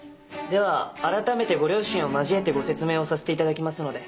では改めてご両親を交えてご説明をさせていただきますので。